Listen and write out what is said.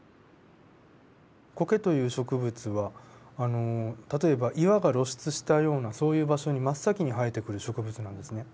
コケという植物は例えば岩が露出したようなそういう場所に真っ先に生えてくる植物なんですね。